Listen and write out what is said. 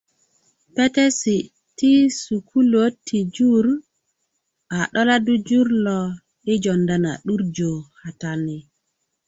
petesi ti sukuluwöt ti jur a 'doladdu jur lo yi jowunda na 'durjö kata ni